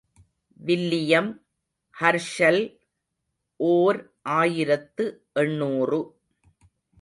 William Herschel, ஓர் ஆயிரத்து எண்ணூறு .